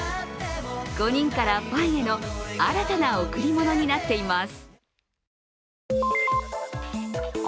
５人からファンへの新たな贈り物になっています。